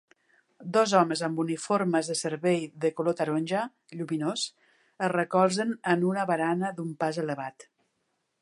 Dos homes amb uniformes de servei de color taronja lluminós es recolzen en una barana d'un pas elevat